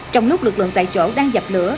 trong lúc lực lượng tại chỗ đang dập lửa